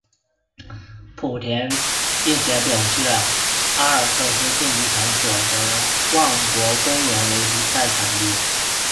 葡广并且表示阿尔蒂斯竞技场所处的万国公园为比赛场地。